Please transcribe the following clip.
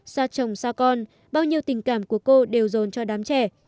xa chồng xa con bao nhiêu tình cảm của cô đều dồn cho đám trẻ